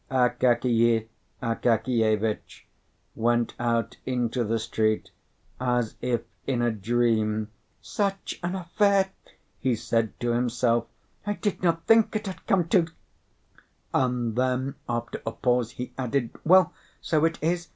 Akakiy Akakievitch went out into the street as if in a dream. "Such an affair!" he said to himself: "I did not think it had come to " and then after a pause, he added, "Well, so it is!